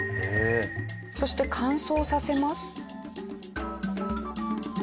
そして乾燥させます。